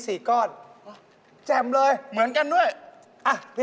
เลิกแล้วก็เลิกไป